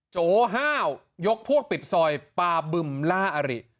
โจห้าวยกพวกปิดซอยปาบึมล่าอริ